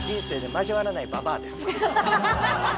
交わらないババア？